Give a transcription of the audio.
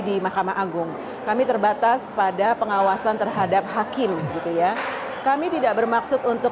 di mahkamah agung kami terbatas pada pengawasan terhadap hakim gitu ya kami tidak bermaksud untuk